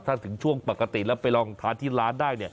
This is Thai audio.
ถ้าถึงช่วงปกติแล้วไปลองทานที่ร้านได้